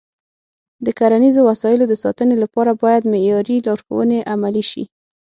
د کرنیزو وسایلو د ساتنې لپاره باید معیاري لارښوونې عملي شي.